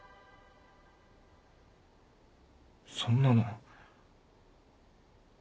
そんなの。